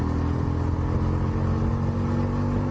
เหล่าน่ะ